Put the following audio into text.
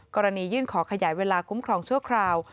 กรณียื่นขอขยายเวลาคุ้มครองชั่วคราว